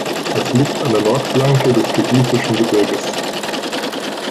Es liegt an der Nordflanke des Kirgisischen Gebirges.